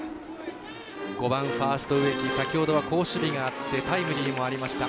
５番ファースト植木先ほどは好守備があってタイムリーもありました。